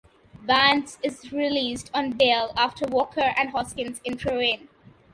Barnes is released on bail after Walker and Hoskins intervene.